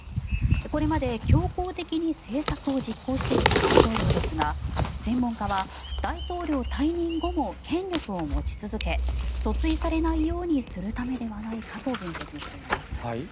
これまで強硬的に政策を実行してきた大統領ですが専門家は大統領退任後も権力を持ち続け訴追されないようにするためではないかと分析しています。